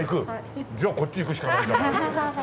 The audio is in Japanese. じゃあこっちいくしかないじゃない。